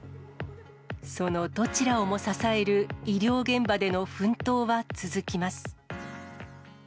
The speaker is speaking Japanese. そのどちらをも支える医療現場での奮闘は続きます。